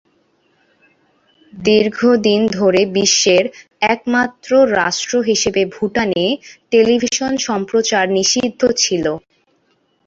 দীর্ঘদিন ধরে বিশ্বের একমাত্র রাষ্ট্র হিসাবে ভুটানে টেলিভিশন সম্প্রচার নিষিদ্ধ ছিলো।